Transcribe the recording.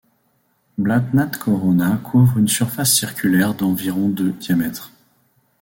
Blathnat Corona couvre une surface circulaire d'environ de diamètre.